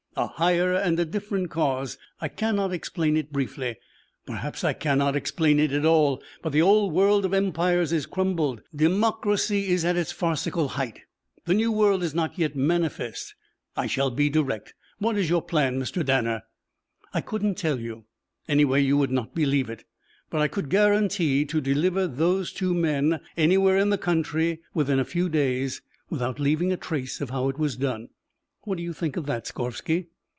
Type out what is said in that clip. "A higher and a different cause. I cannot explain it briefly. Perhaps I cannot explain it at all. But the old world of empires is crumbled. Democracy is at its farcical height. The new world is not yet manifest. I shall be direct. What is your plan, Mr. Danner?" "I couldn't tell you. Anyway, you would not believe it. But I could guarantee to deliver those two men anywhere in the country within a few days without leaving a trace of how it was done. What do you think of that, Skorvsky?"